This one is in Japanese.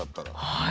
はい。